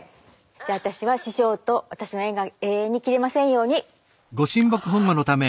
じゃあ私は師匠と私の縁が永遠に切れませんように。